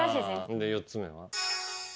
で４つ目は？